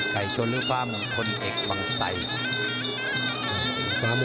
ไฮชลหรือฟ้ามุ่งคนเอกบางไสการ